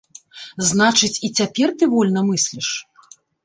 Значыць, і цяпер ты вольна мысліш?